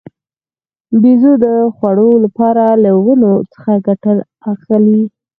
بیزو د خوړو لپاره له ونو څخه ګټه اخلي.